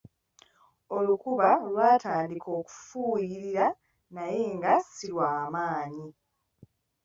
Olukuba lwatandika okufuuyirira naye nga ssi lwamaanyi.